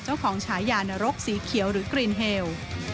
เจ้าของชายานรกสีเขียวหรือกรีนเฮล